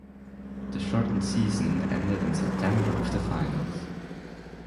The shortened season ended in September with the Finals.